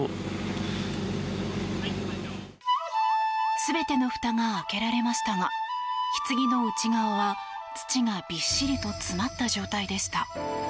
全てのふたが開けられましたがひつぎの内側は土がびっしりと詰まった状態でした。